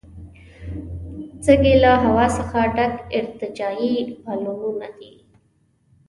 سږي له هوا څخه ډک ارتجاعي بالونونه دي.